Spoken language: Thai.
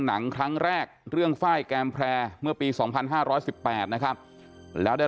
หนังครั้งแรกเรื่องฝ้ายแกมแพร่เมื่อปี๒๕๑๘นะครับแล้วได้